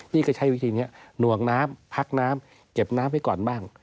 ก็ใช้วิธีนี้หน่วงน้ำพักน้ำเก็บน้ำไว้ก่อนบ้าง